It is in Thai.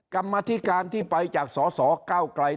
กรรมธิการที่ไปจากสสเก้าไกล